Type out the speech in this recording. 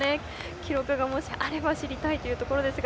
記録がもしあれば知りたいというところですが。